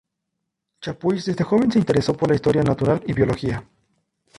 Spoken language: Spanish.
Chapuis, desde joven se interesó por la historia natural y biología.